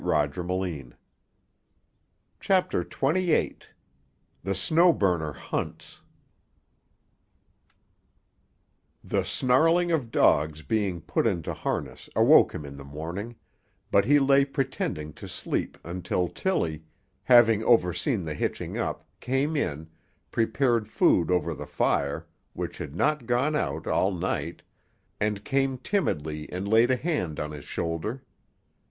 Now I sleep." CHAPTER XXVIII—THE SNOW BURNER HUNTS The snarling of dogs being put into harness awoke him in the morning, but he lay pretending to sleep until Tillie, having overseen the hitching up, came in, prepared food over the fire, which had not gone out all night, and came timidly and laid a hand on his shoulder.